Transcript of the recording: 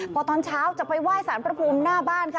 พอตอนเช้าจะไปไหว้สารพระภูมิหน้าบ้านค่ะ